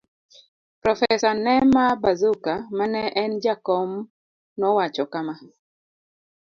Profesa Nema Bazuka ma ne en jakom nowacho kama: